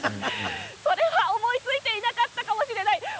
それは思いついていなかったかもしれない。